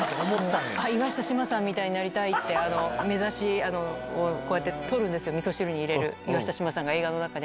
岩下志麻さんみたいになりたいって、めざし、こうやって取るんですよ、みそ汁に入れる、岩下志麻さんが映画の中で。